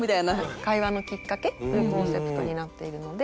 「会話のきっかけ」というコンセプトになっているので。